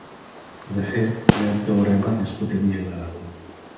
De fet, hi ha un teorema més potent i general.